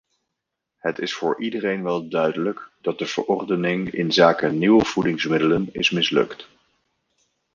Het is voor iedereen wel duidelijk dat de verordening inzake nieuwe voedingsmiddelen is mislukt.